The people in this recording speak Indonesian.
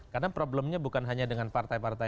karena problemnya bukan hanya dengan partai partai